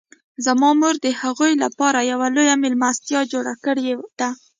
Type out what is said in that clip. زما مور د هغوی لپاره یوه لویه میلمستیا جوړه کړې ده